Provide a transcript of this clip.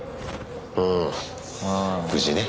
うん無事ね